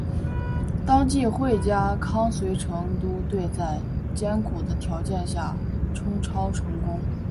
当季惠家康随成都队在艰苦的条件下冲超成功。